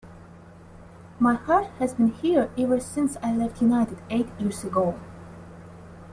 My heart has been here ever since I left United eight years ago.